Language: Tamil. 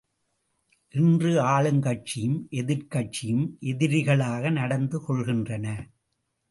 இன்று ஆளுங்கட்சியும் எதிர்க்கட்சியும் எதிரிகளாக நடந்து கொள்கின்றன.